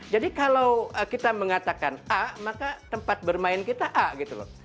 jadi kalau kita mengatakan a maka tempat bermain kita a gitu loh